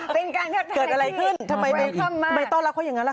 เกิดอะไรขึ้นทำไมไม่ต้อนรับเขาอย่างนั้นล่ะค